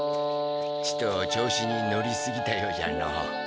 ちと調子に乗りすぎたようじゃのう。